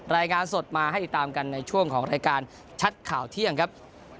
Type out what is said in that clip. รายงานสดมาให้ติดตามกันในช่วงของรายการชัดข่าวเที่ยงครับ